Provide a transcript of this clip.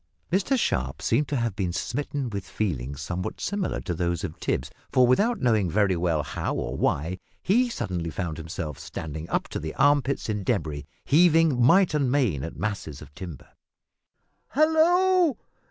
Mr Sharp seemed to have been smitten with feelings somewhat similar to those of Tipps, for, without knowing very well how or why, he suddenly found himself standing up to the armpits in debris, heaving might and main at masses of timber. "Hallo!